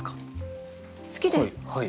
好きです。